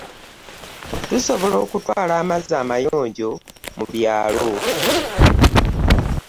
Tusobola okutwala amazzi amayonjo mu byalo